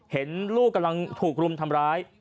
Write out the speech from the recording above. เห็นลูกกำลังถูกรุมทำร้าย